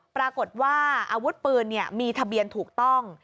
ปรากฏว่าอาวุธปืนมีทะเบียนถูกต้อง